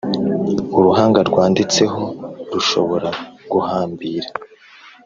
uruhanga rwanditseho, rushobora guhambira